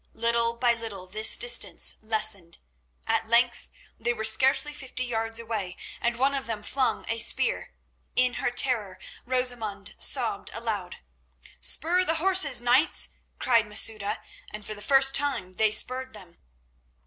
Little by little this distance lessened. At length they were scarcely fifty yards away, and one of them flung a spear. In her terror Rosamund sobbed aloud. "Spur the horses, knights," cried Masouda, and for the first time they spurred them.